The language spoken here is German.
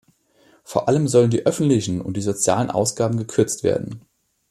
Vor allem sollen die öffentlichen und die sozialen Ausgaben gekürzt werden.